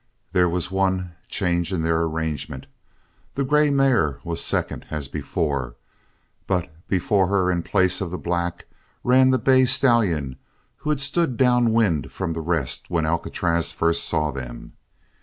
There was one change in their arrangement. The grey mare was second, as before, but before her in place of the black ran the bay stallion who had stood down wind from the rest when Alcatraz first saw them.